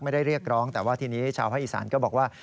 เรียกร้องแต่ว่าทีนี้ชาวภาคอีสานก็บอกว่า